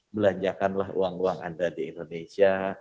belanjakanlah uang uang anda di indonesia